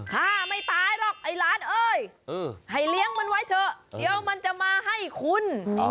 ฆ่าไม่ตายหรอกไอ้หลานเอ้ยให้เลี้ยงมันไว้เถอะเดี๋ยวมันจะมาให้คุณ